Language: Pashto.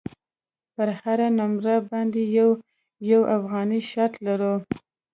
پر هره نمره باندې یوه یوه افغانۍ شرط لرو.